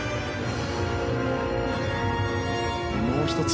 もう１つ